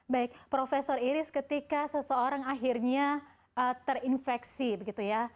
baik profesor iris ketika seseorang akhirnya terinfeksi begitu ya